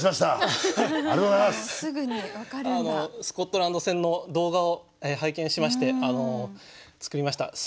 スコットランド戦の動画を拝見しまして作りました。